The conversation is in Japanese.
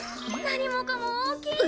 何もかも大きい！